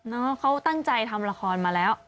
เขาตั้งใจทำละครมาแล้ว